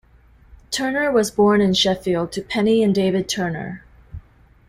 Turner was born in Sheffield to Penny and David Turner.